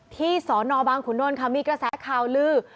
สอนอบางขุนนท์ค่ะมีกระแสข่าวลือ